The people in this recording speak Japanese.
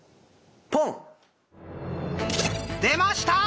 出ました！